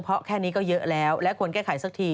เพราะแค่นี้ก็เยอะแล้วและควรแก้ไขสักที